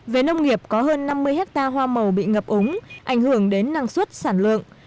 về nông nghiệp có hơn năm mươi hectare hoa màu bị ngập úng ảnh hưởng đến năng suất sản lượng